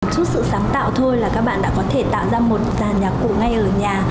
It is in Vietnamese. trước sự sáng tạo thôi là các bạn đã có thể tạo ra một nhà cụ ngay ở nhà